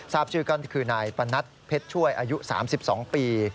ทราบชื่อก็คือนายปนัดเพชรช่วยอายุ๓๒ปี